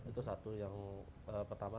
itu satu yang pertama